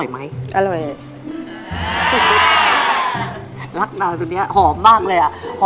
ป้าอีกนิดหนึ่งครับ